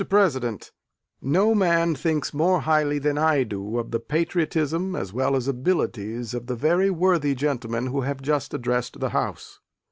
PRESIDENT, No man thinks more highly than I do of the patriotism, as well as abilities, of the very worthy gentlemen who have just addressed the House.